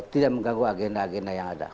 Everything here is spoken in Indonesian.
tidak mengganggu agenda agenda yang ada